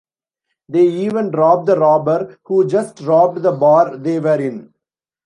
They even rob the robber who just robbed the bar they were in.